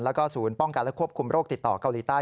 แล้วก็ศูนย์ป้องกันและควบคุมโรคติดต่อเกาหลีใต้